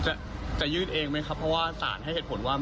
จะจะยื่นเองไหมครับเพราะว่าสารให้เหตุผลว่า